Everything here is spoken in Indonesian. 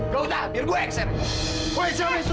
lu masuk lu